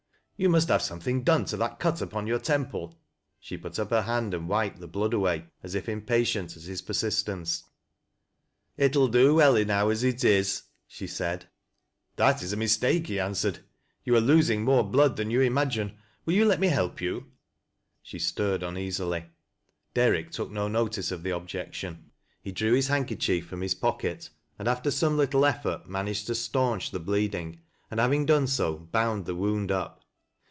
" You must have something done to that cut upon youi temple." She put up her hand and wiped the blood awaj as i/ impatient at his pei sistence. " It '11 do well enow as it is," she said. " Tiat is a mistake," he answered. " Yon are losing A DIFFICULT OASB. {\ more bloDcl than you imagine. Will you let me help you ?" She stirred uneasily. Derrick took no notice of the objection. He drew hie handkerchief from his pocket, and, after some little effurt, managed to stanch tl:e bleeding, and having done so.. bound the wound up.